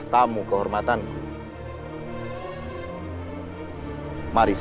terus gimana ini